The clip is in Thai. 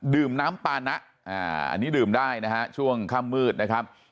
ดื่มน้ำปานะอันนี้ดื่มได้นะฮะช่วงค่ำมืดนะครับ